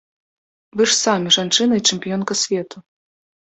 Вы ж самі жанчына і чэмпіёнка свету.